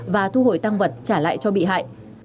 và thu hồi tăng vật trả lại cho bị hại